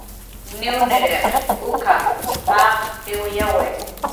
"Niwniriq uk""ap"" jaq jiwyawi "